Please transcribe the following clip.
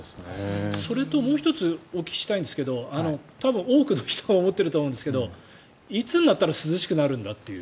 それと、もう１つお聞きしたいんですが多くの人が思ってると思うんですがいつになったら涼しくなるんだという。